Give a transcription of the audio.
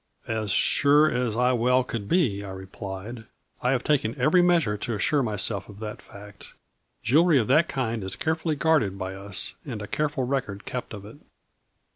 "" As sure as I well could be," I replied, " I have taken every measure to assure myself of that fact, jewelry of that kind is carefully guarded by us, and a careful record kept of it."